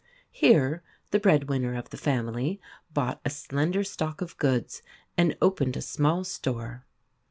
Here the breadwinner of the family bought a slender stock of * O goods and opened a small store.